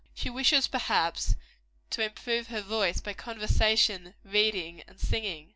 She wishes, perhaps, to improve her voice by conversation, reading and singing.